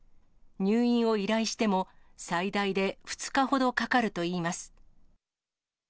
入院を依頼しても、最大で２日ほどかかるといいます。